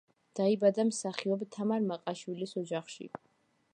დაიბადა მსახიობ თამარ მაყაშვილის ოჯახში.